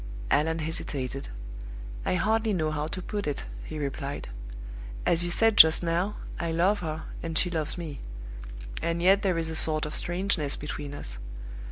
Allan hesitated. "I hardly know how to put it," he replied. "As you said just now, I love her, and she loves me; and yet there is a sort of strangeness between us.